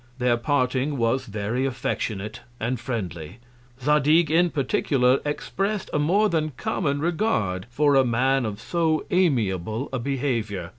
Their Parting was very affectionate and friendly; Zadig, in particular, express'd a more than common Regard for a Man of so amiable a Behaviour.